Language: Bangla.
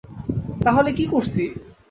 তাহলে কী করছি?